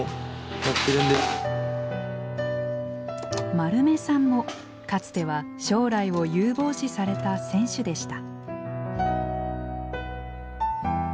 丸目さんもかつては将来を有望視された選手でした。